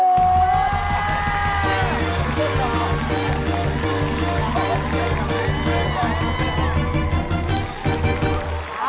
แค่มันต่ำ